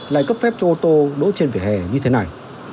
lại cấp phép cho ô tô đỗ trên vỉa hè như thế này